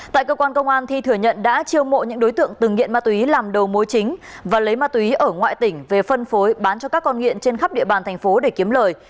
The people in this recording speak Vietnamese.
tại cơ quan công an thi thừa nhận đã chiêu mộ những đối tượng từng nghiện ma túy làm đầu mối chính và lấy ma túy ở ngoại tỉnh về phân phối bán cho các con nghiện trên khắp địa bàn thành phố để kiếm lời